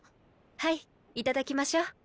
はいいただきましょう。